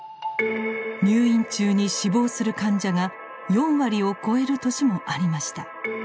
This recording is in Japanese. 入院中に死亡する患者が４割を超える年もありました。